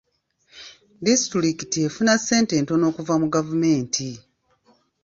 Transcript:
Disitulikiti efuna ssente ntono okuva mu gavumenti.